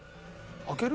開ける？